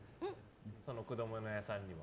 果物屋さんには。